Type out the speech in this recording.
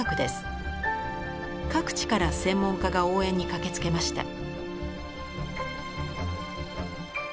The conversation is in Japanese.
各地から専門家が応援に駆けつけました。